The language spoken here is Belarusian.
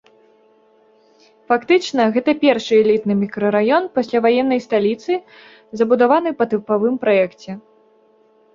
Фактычна, гэта першы элітны мікрараён пасляваеннай сталіцы, забудаваны па тыпавым праекце.